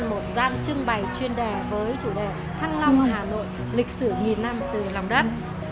một gian trưng bày chuyên đề với chủ đề thăng long hà nội lịch sử nghìn năm từ lòng đất